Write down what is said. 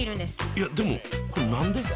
いやでもこれ何で？